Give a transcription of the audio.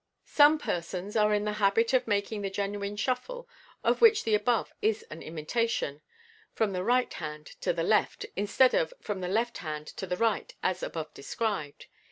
MODERN MAGIC. 25 Some persons are in the habit of making the genuine shuffle, of which the above is an imitation, from the right hand to the left instead of from the left hand to the right, as above described.